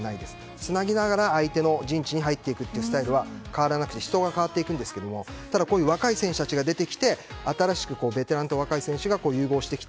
つなぎながら相手の陣地に入っていくスタイルは変わらなくて人が変わっていくんですけどただ、若い選手たちが出てきて新しくベテランと若い選手たちが融合してきた。